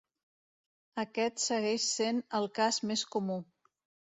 Aquest segueix sent el cas més comú.